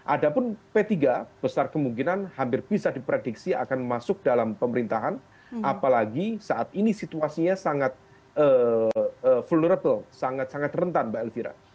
ada pun p tiga besar kemungkinan hampir bisa diprediksi akan masuk dalam pemerintahan apalagi saat ini situasinya sangat vulnerable sangat sangat rentan mbak elvira